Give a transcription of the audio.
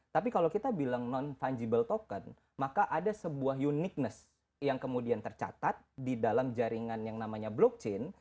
tapi kalau kita bilang non fungible token maka ada sebuah uniqness yang kemudian tercatat di dalam jaringan yang namanya blockchain